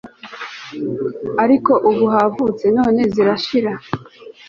ariko ubu havutse, none zirashira